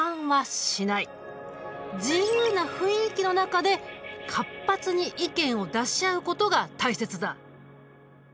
自由な雰囲気の中で活発に意見を出し合うことが大切だ。